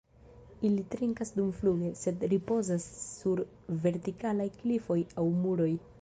Ili trinkas dumfluge, sed ripozas sur vertikalaj klifoj aŭ muroj.